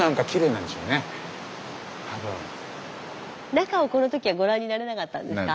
中をこの時はご覧になれなかったんですか？